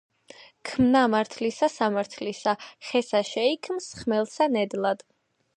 „ქმნა მართლისა სამართლისა ხესა შეიქმს ხმელსა ნედლად.“